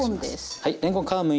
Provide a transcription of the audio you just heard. はい。